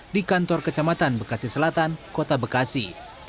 di kantor kecamatan bekasi selatan kota bekasi